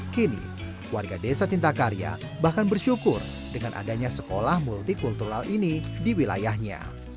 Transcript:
kini warga desa cintakarya bahkan bersyukur dengan adanya sekolah multikultural ini di wilayahnya